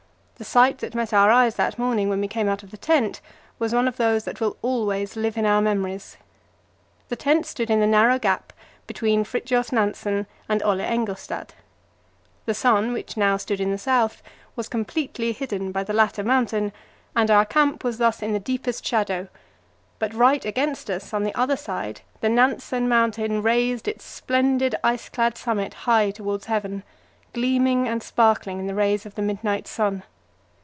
The sight that met our eyes that morning, when we came out of the tent, was one of those that will always live in our memories. The tent stood in the narrow gap between Fridtjof Nansen and Ole Engelstad. The sun, which now stood in the south, was completely hidden by the latter mountain, and our camp was thus in the deepest shadow; but right against us on the other side the Nansen mountain raised its splendid ice clad summit high towards heaven, gleaming and sparkling in the rays of the midnight sun.